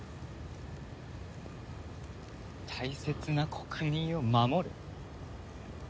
「大切な国民を守る」？